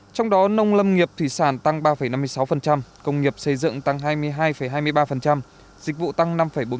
trong đó nông lâm nghiệp thủy sản tăng ba năm mươi sáu công nghiệp xây dựng tăng hai mươi hai hai mươi ba dịch vụ tăng năm bốn